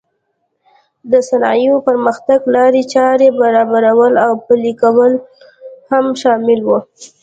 د صنایعو پرمختګ لارې چارې برابرول او پلې کول هم شامل و.